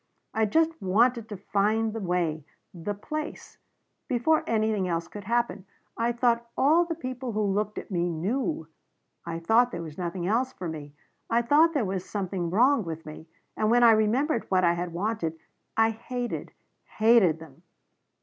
I just wanted to find the way the place before anything else could happen. I thought all the people who looked at me knew. I thought there was nothing else for me I thought there was something wrong with me and when I remembered what I had wanted I hated hated them.